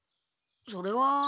それは。